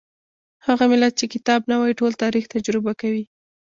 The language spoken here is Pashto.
هغه ملت چې کتاب نه وايي ټول تاریخ تجربه کوي.